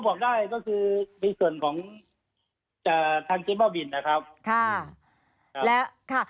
๒พฤติกาแล้วก็๒๒แล้ว๒๓พฤติกาครับ